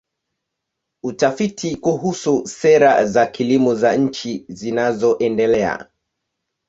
Utafiti kuhusu sera za kilimo za nchi zinazoendelea.